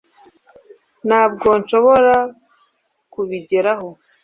ntabwo nshobora kubigeraho